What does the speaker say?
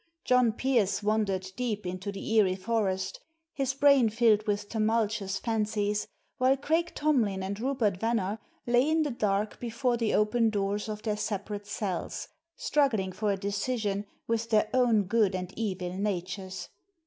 John Pearse wandered deep into the eery forest, his brain filled with tumultuous fancies, while Craik Tomlin and Rupert Venner lay in the dark before the open doors of their separate cells, struggling for a decision with their own good and evil natures.